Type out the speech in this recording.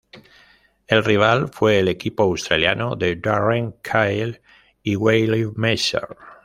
El rival fue el equipo australiano de Darren Cahill y Wally Masur.